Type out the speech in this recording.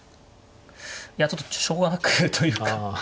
いやちょっとしょうがなくというか。